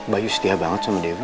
bayo setia banget sama dewi